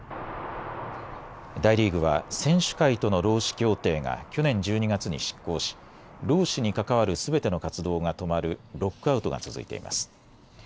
大リーグは選手会との労使協定が去年１２月に失効し労使に関わるすべての活動が止まるロックアウトが続いています。